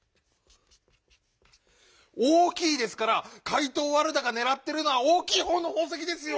「おおきい」ですからかいとうワルダがねらってるのはおおきいほうのほうせきですよ！